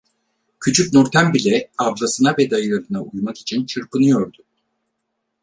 Küçük Nurten bile ablasına ve dayılarına uymak için çırpınıyordu.